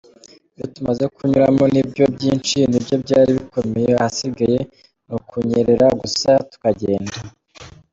Ibyo tumaze kunyuramo nibyo byinshi, nibyo byari bikomeye, ahasigaye ni ukunyerera gusa tukagenda.